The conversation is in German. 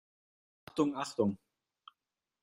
Achtung, Achtung!